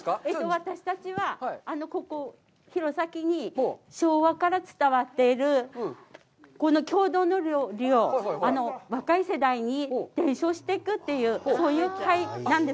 私たちは、ここ、弘前に昭和から伝わっているこの郷土の料理を若い世代に伝承していくという、そういう会なんです。